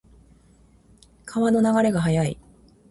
川の流れが速い。